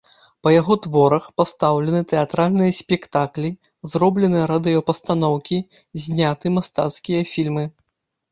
Па яго творах пастаўлены тэатральныя спектаклі, зроблены радыёпастаноўкі, зняты мастацкія фільмы.